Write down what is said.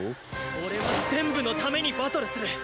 俺は全部のためにバトルする。